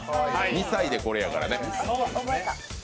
２歳でこれやからね。